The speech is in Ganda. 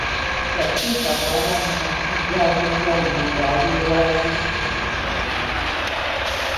Gattimpa bw’aba mu matigga ag’enjawulo ng’ali ewa Zisuzze